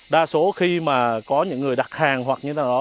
đa số khi mà có những người đặt hàng hoặc như thế nào đó